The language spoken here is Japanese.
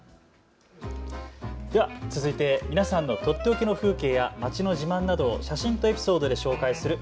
では続いて皆さんのとっておきの風景や街の自慢などを写真とエピソードで紹介する＃